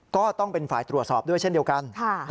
ก็ต้องเป็นฝ่ายตรวจสอบด้วยเช่นเดียวกัน